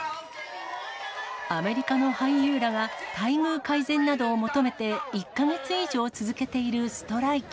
アメリカの俳優らが、待遇改善などを求めて、１か月以上続けているストライキ。